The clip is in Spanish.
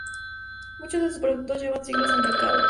Muchos de sus productos llevan siglos en el mercado.